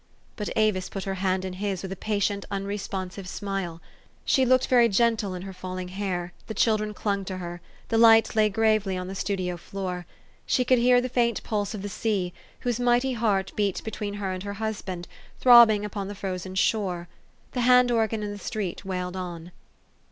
But Avis put her hand in his with a patient, un responsive smile. She looked very gentle in her falling hair. The children clung to her. The light lay gravely on the studio floor. She could hear the faint pulse of the sea, whose mighty heart beat be tween her and her husband, throbbing upon the frozen shore. The hand organ in the street wailed on.